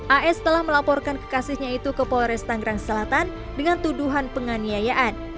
as telah melaporkan kekasihnya itu ke polres tanggerang selatan dengan tuduhan penganiayaan